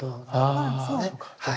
ああそうか。